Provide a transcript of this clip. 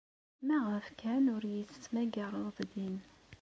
Maɣef kan ur iyi-tettmagareḍ din?